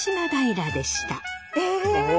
え！